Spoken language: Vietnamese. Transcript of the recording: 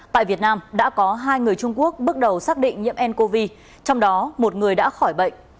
tại việt nam đã có hai người trung quốc bước đầu xác định nhiễm ncov trong đó một người đã khỏi bệnh